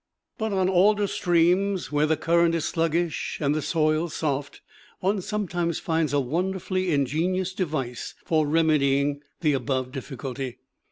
But on alder streams, where the current is sluggish and the soil soft, one sometimes finds a wonderfully ingenious device for remedying the above difficulty.